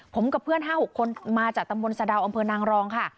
ผมกับเพื่อน๕๖คนมาจากตำบลสะดาวอำเภอนางรองค่ะ